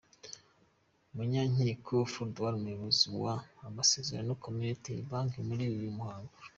Munyankiko Flodouard, umuyobozi wa Amasezerano community banking muri uyu muhango.